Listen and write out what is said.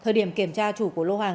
thời điểm kiểm tra chủ của lô hàng